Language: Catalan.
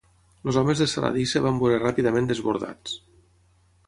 Els homes de Saladí es van veure ràpidament desbordats.